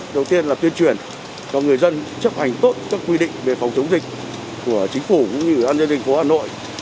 đầu tiên là tuyên truyền cho người dân chấp hành tốt các quy định về phòng chống dịch của chính phủ cũng như an doanh dịch phố hà nội